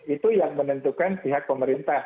itu yang menentukan pihak pemerintah